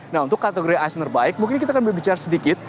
nah untuk kategori asn terbaik mungkin kita akan berbicara sedikit